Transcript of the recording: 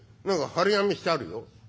何か張り紙してあるよ。